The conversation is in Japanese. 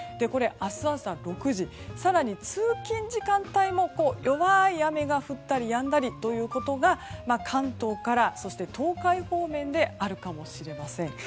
明日朝６時更に通勤時間帯も弱い雨が降ったりやんだりということが関東から東海方面であるかもしれません。